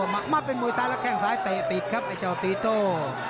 มัดเป็นมวยซ้ายแล้วแข้งซ้ายเตะติดครับไอ้เจ้าตีโต้